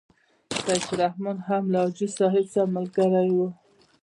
سیف الرحمن هم له حاجي صاحب سره ملګری وو.